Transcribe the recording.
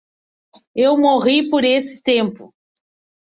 Eu morri por esse tempo.